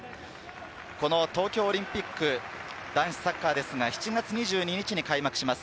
この東京オリンピック、男子サッカーですが、７月２２日に開幕します。